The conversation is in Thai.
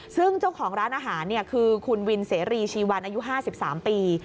ซึ่งเจ้าของร้านอาหารเนี้ยคือคุณวินเสรีชีวันอายุห้าสิบสามปี